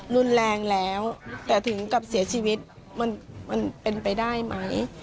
รุนแรงแล้วแต่ถึงกับเสียชีวิตมันเป็นไปได้ไหม